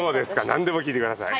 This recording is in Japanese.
なんでも聞いてください。